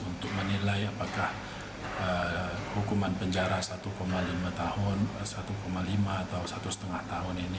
untuk menilai apakah hukuman penjara satu lima tahun atau satu lima tahun ini